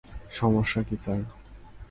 সমস্যা কী স্যার?